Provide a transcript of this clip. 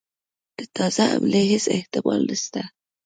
د تازه حملې هیڅ احتمال نسته.